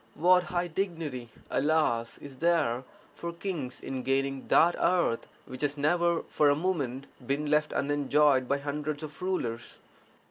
What high dignity, alas, is there for kings in gaining that earth which has never for a moment been left unenjoyed by hundreds of rulers!